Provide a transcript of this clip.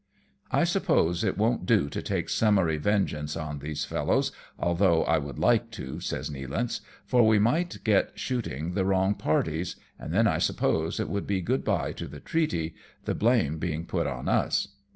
" I suppose it won't do to take summary vengeance on these fellows, although I would like to," says Nealance, "for we might get shooting the wrong parties, and then I suppose it would be good bye to the treaty, the blame being put on us."